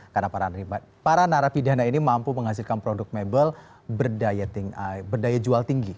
karena para narapidana ini mampu menghasilkan produk mebel berdaya jual tinggi